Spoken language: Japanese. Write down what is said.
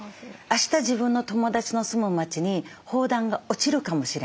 あした自分の友達の住む街に砲弾が落ちるかもしれない。